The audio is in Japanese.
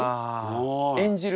演じる。